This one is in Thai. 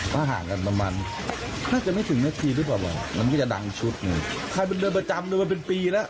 ฮะหากันประมาณนี้ถ้าจะไม่ถึงนัดทีด้วยรอจริงป่ะ